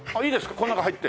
この中入って。